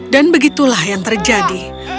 dan begitulah yang terjadi